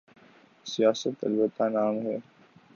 سیاست؛ البتہ نام ہے۔